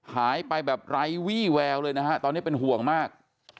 หายไปแบบไร้วี่แววเลยนะฮะตอนนี้เป็นห่วงมาก